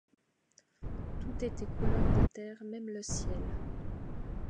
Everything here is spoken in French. Tout était couleur de terre, même le ciel.